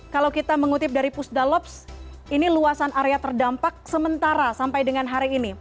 kalau kita mengutip dari pusdalops ini luasan area terdampak sementara sampai dengan hari ini